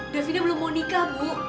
davina belum mau nikah bu